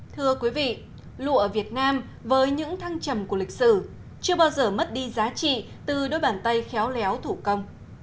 thưa quý vị lụa ở việt nam với những thăng trầm của lịch sử chưa bao giờ mất đi giá trị từ đôi bàn tay khéo léo thủ công